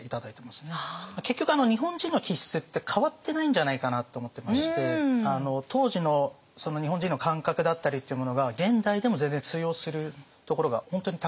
結局日本人の気質って変わってないんじゃないかなって思ってまして当時の日本人の感覚だったりっていうものが現代でも全然通用するところが本当にたくさんあるなと思ってますので。